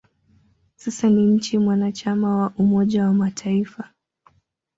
Sasa ni nchi mwanachama wa Umoja wa Mataifa.